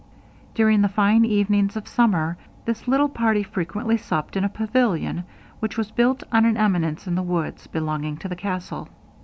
During the fine evenings of summer, this little party frequently supped in a pavilion, which was built on an eminence in the woods belonging to the castle.